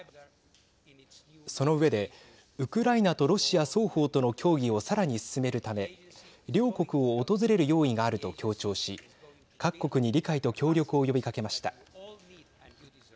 その上でウクライナとロシア双方との協議をさらに進めるため両国を訪れる用意があると強調し各国に理解と協力を呼びかけました。